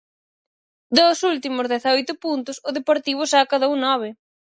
Dos últimos dezaoito puntos, o Deportivo só acadou nove.